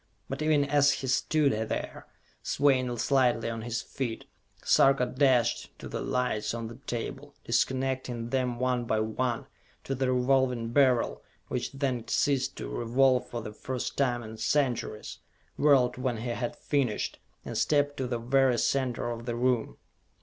But even as he stood there, swaying slightly on his feet, Sarka dashed to the lights on the table, disconnecting them one by one; to the Revolving Beryl, which then ceased to revolve for the first time in centuries whirled when he had finished, and stepped to the very center of the room.